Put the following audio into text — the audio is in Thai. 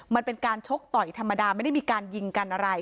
มันเป็นการชกต่อยธรรมดาไม่ได้มีการยิงกันอะไร